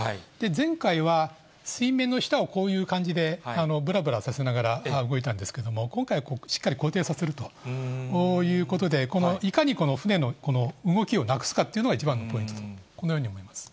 前回は水面の下をこういう感じでぶらぶらさせながら動いたんですけれども、今回はしっかり固定させるということで、いかに、船のこの動きをなくすかっていうのが一番のポイントだと思います。